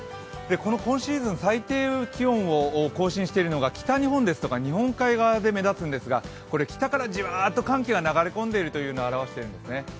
この今シーズン最低気温を更新しているのが北日本ですとか日本海側で目立つんですが、北からじわっと寒気が流れ込んでいるのをあらわしているんですね。